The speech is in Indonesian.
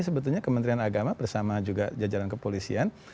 sebetulnya kementerian agama bersama juga jajaran kepolisian